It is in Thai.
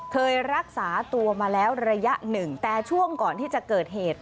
เคยรักษาตัวมาแล้วระยะหนึ่งแต่ช่วงก่อนที่จะเกิดเหตุ